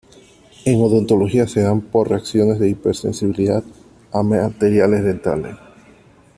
En odontología se dan por reacciones de hipersensibilidad a materiales dentales.